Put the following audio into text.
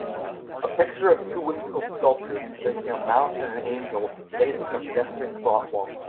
A picture of two whimsical sculptures depicting a mouse and an angel placed in a pedestrian crosswalk.